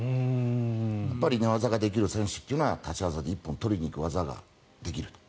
やっぱり寝技ができる選手は立ち技で一本取りに行く技ができる。